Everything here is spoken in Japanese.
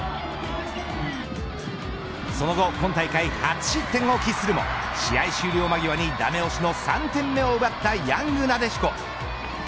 その後今大会初失点を喫するも試合終了間際にダメ押しの３点目を奪ったヤングなでしこ。